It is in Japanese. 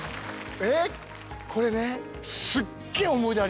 えっこれね。